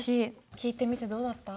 聞いてみてどうだった？